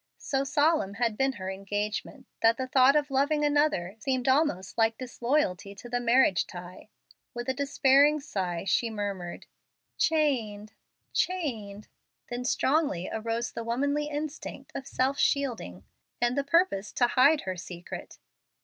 So solemn had been her engagement that the thought of loving another seemed almost like disloyalty to the marriage tie. With a despairing sigh, she murmured, "Chained, chained." Then strongly arose the womanly instinct of self shielding, and the purpose to hide her secret.